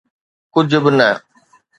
ڪجھ به نه.